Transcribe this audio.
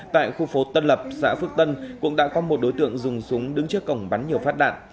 tại khu phố tân lập xã phước tân cũng đã có một đối tượng dùng súng đứng trước cổng bắn nhiều phát đạn